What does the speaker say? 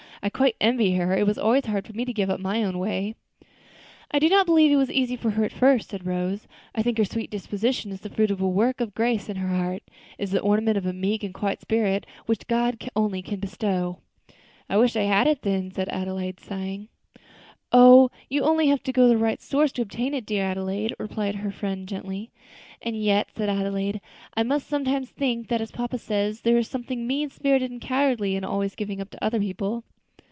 I quite envy her; it was always hard for me to give up my own way." "I do not believe it was easy for her at first," said Rose. "I think her sweet disposition is the fruit of a work of grace in her heart. It is the ornament of a meek and quiet spirit, which God alone can bestow." "I wish I had it, then," said Adelaide, sighing. "You have only to go to the right source to obtain it, dear Adelaide," replied her friend, gently. "And yet," said Adelaide, "I must say I sometimes think that, as papa says, there is something mean spirited and cowardly in always giving up to other people."